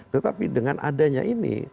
tetapi dengan adanya ini